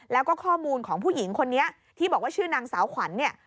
แล้วก็ข้อมูลของผู้หญิงคนนี้ที่บอกว่าชื่อนางสาวขวัญเนี่ย